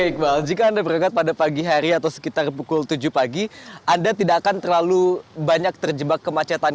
iqbal jika anda berangkat pada pagi hari atau sekitar pukul tujuh pagi anda tidak akan terlalu banyak terjebak kemacetan